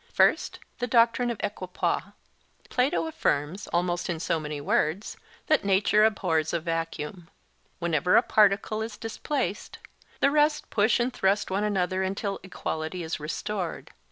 First, the doctrine of equipoise. Plato affirms, almost in so many words, that nature abhors a vacuum. Whenever a particle is displaced, the rest push and thrust one another until equality is restored.